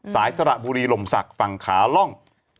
สระบุรีลมศักดิ์ฝั่งขาล่อง